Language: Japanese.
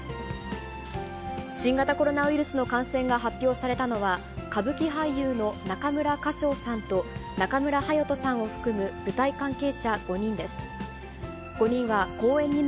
新型コロナウイルスの感染が発表されたのは、歌舞伎俳優の中村歌昇さんと中村隼人さんを含む舞台関係者５人です。